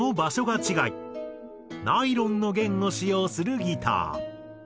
ナイロンの弦を使用するギター。